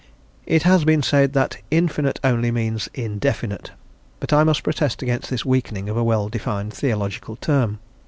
It has been said that infinite only means indefinite, but I must protest against this weakening of a well defined theological term.